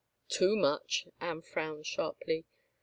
" Too much I " Anne frowned sharply.